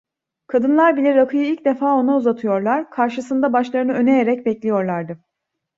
Kadınlar bile rakıyı ilk defa ona uzatıyorlar, karşısında başlarını öne eğerek bekliyorlardı.